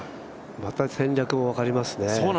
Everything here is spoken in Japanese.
また戦略が分かりますね。